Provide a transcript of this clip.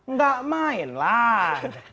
nggak main lah